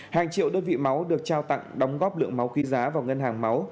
hàng triệu đơn vị máu được trao tặng đóng góp lượng máu khi giá vào ngân hàng máu